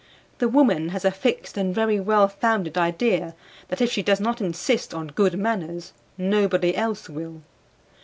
The woman has a fixed and very well founded idea that if she does not insist on good manners nobody else will.